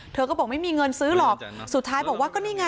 เธอก็บอกไม่มีเงินซื้อหรอกสุดท้ายบอกว่าก็นี่ไง